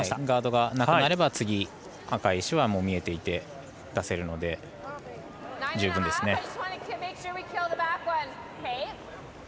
ガードがなくなれば次、赤い石はもう見えていて出せるので十分ですね。